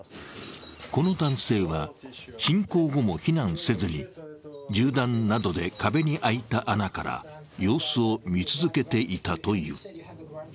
この男性は侵攻後も避難せずに銃弾などで壁に開いた穴から様子を見続けていたという。